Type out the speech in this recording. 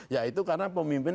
yaitu karena pemimpin